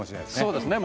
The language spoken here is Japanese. そうですね